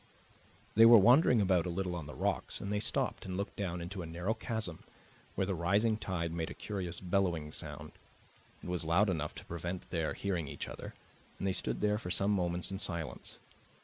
They were wandering about a little on the rocks, and they stopped and looked down into a narrow chasm where the rising tide made a curious bellowing sound. It was loud enough to prevent their hearing each other, and they stood there for some moments in silence.